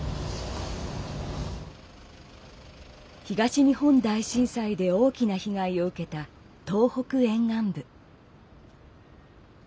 東日本大震災で大きな被害を受けた東北沿岸部。